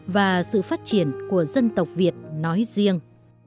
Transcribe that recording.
và sự phát triển của dân tộc việt nói riêng